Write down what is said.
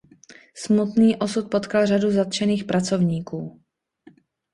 Smutný osud potkal řadu zatčených pracovníků.